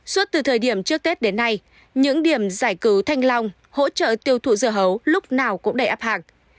suốt từ thời điểm trước tết đến nay những điểm giải cứu thanh long hỗ trợ tiêu thụ dưa hấu lúc nào cũng đầy áp hàng